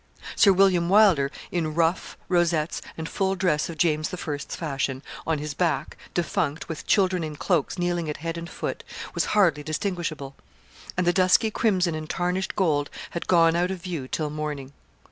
Sir William Wylder, in ruff, rosettes, and full dress of James I.'s fashion, on his back, defunct, with children in cloaks kneeling at head and foot, was hardly distinguishable; and the dusky crimson and tarnished gold had gone out of view till morning.